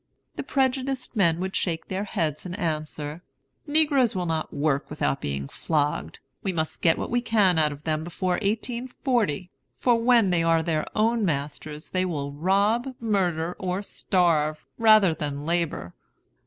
the prejudiced men would shake their heads and answer: "Negroes will not work without being flogged. We must get what we can out of them before 1840; for when they are their own masters they will rob, murder, or starve, rather than labor."